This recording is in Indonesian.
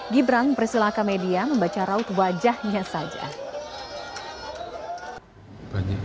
gibran persilakan media membaca raut wajahnya saja